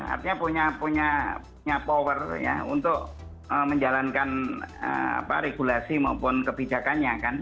artinya punya power ya untuk menjalankan regulasi maupun kebijakannya kan